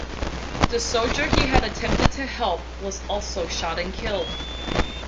The soldier he had attempted to help was also shot and killed.